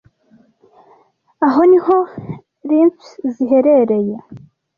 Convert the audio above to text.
Aho niho lymph ziherereye